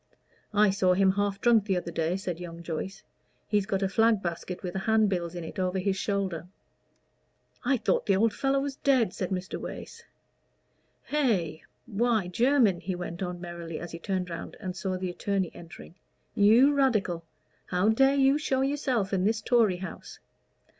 "I saw him half drunk the other day," said young Joyce. "He'd got a flag basket with handbills in it over his shoulder." "I thought the old fellow was dead," said Mr. Wace. "Hey! why, Jermyn," he went on merrily, as he turned round and saw the attorney entering; "you Radical! how dare you show yourself in this Tory house?